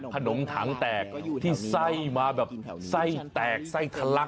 ขนมถังแตกที่ไส้มาแบบไส้แตกไส้ทะลัก